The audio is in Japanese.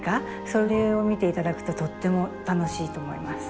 それを見て頂くととっても楽しいと思います。